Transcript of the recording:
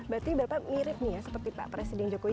berarti bapak mirip nih ya seperti pak presiden jokowi